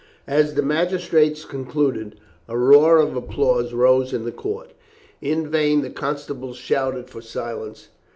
As the magistrate concluded, a roar of applause rose in the court. In vain the constables shouted for silence.